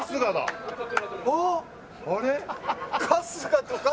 あっあれ？